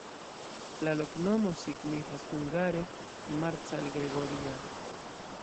La loknomo signifas hungare: Marcal-Gregoria.